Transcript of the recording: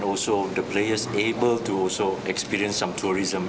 dan juga para pemain bisa mengalami turisme